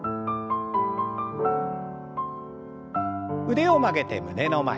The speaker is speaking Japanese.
腕を曲げて胸の前。